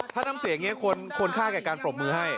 ถ้าน้ำเสียงนี้ควรค่ากับการปรบมือให้